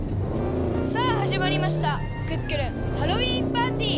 さあはじまりましたクックルンハロウィーンパーティー！